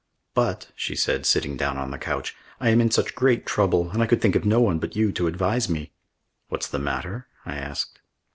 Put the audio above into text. "But," she said, sitting down on the couch, "I am in such great trouble and I could think of no one but you to advise me." "What's the matter?" I asked.